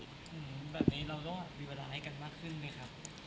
การแบบนี้เราต้องมีเวลาให้มากขึ้นไหมคะ